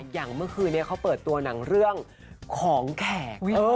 อย่างเมื่อคืนนี้เขาเปิดตัวหนังเรื่องของแขก